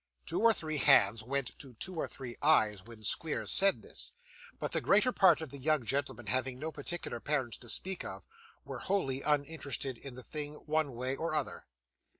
Two or three hands went to two or three eyes when Squeers said this, but the greater part of the young gentlemen having no particular parents to speak of, were wholly uninterested in the thing one way or other.